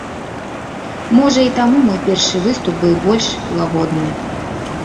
Можа і таму мой першы выступ быў больш лагодны.